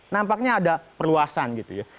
nampaknya ada perluasan gitu ya